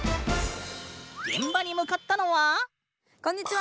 現場に向かったのはこんにちは！